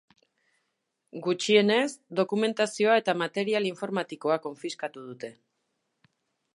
Gutxienez, dokumentazioa eta material informatikoa konfiskatu dute.